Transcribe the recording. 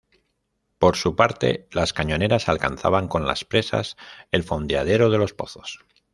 Por su parte, las cañoneras alcanzaban con las presas el fondeadero de Los Pozos.